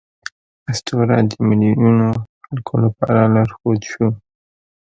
اسطوره د میلیونونو خلکو لپاره لارښود شو.